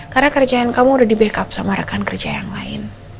karena kerjaan kamu udah di backup sama rekan kerja yang lain